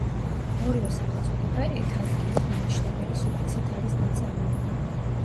ორივე სახელწოდება ეთ ადგილის მანიშნებელი სუფიქსით არის ნაწარმოები.